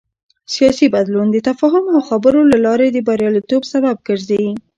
سیاسي بدلون د تفاهم او خبرو له لارې د بریالیتوب سبب ګرځي